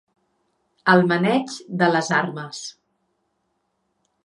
El maneig de les armes.